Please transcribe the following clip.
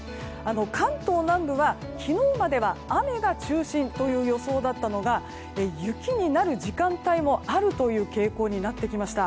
関東南部は昨日までは雨が中心という予想だったのが雪になる時間帯もあるという傾向になってきました。